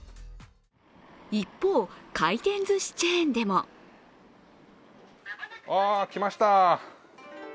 一方、回転ずしチェーンでもあ、来ました。